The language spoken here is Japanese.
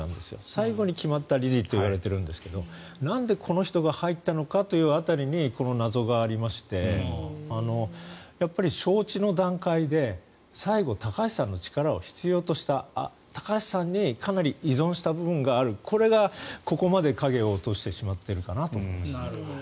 最後に決まった理事といわれているんですがなんでこの人が入ったのかという辺りにこの謎がありまして招致の段階で最後、高橋さんの力を必要とした高橋さんにかなり依存した部分があるこれがここまで影を落としてしまっているかなと思いますね。